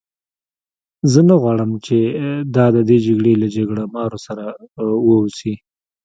زه نه غواړم چې دا د دې جګړې له جګړه مارو سره وه اوسي.